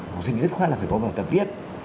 học sinh rất khoan là phải có vào tập viết